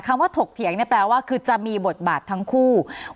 ว่าถกเถียงเนี่ยแปลว่าคือจะมีบทบาททั้งคู่